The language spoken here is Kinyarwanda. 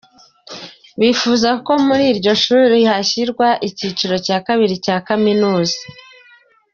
Bifuza ko no kuri iryo shuri hashyirwa icyiciro cya kabiri cya kaminuza.